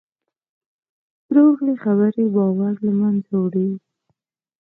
دروغې خبرې باور له منځه وړي.